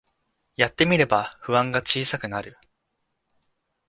やってみれば不安が小さくなる